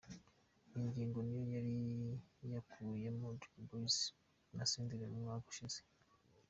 Iyi ngingo ni yo yari yakuyemo Dream Boyz na Senderi mu mwaka ushize.